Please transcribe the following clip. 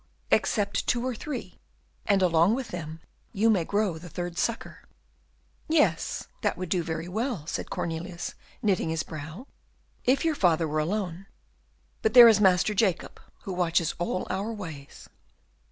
"Accept two or three, and, along with them, you may grow the third sucker." "Yes, that would do very well," said Cornelius, knitting his brow; "if your father were alone, but there is that Master Jacob, who watches all our ways."